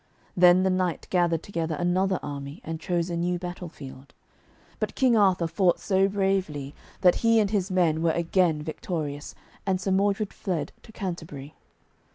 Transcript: Then the knight gathered together another army, and chose a new battle field. But King Arthur fought so bravely that he and his men were again victorious, and Sir Modred fled to Canterbury.